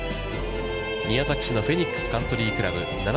宮崎市のフェニックスカントリークラブ。